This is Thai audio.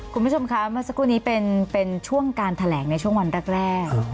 คุณผู้ชมคะเมื่อสักครู่นี้เป็นช่วงการแถลงในช่วงวันแรก